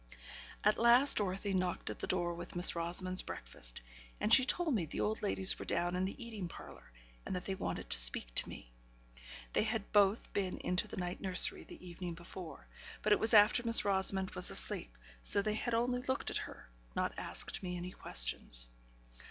At last Dorothy knocked at the door with Miss Rosamond's breakfast; and she told me the old ladies were down in the eating parlour, and that they wanted to speak to me. They had both been into the night nursery the evening before, but it was after Miss Rosamond was asleep; so they had only looked at her not asked me any questions.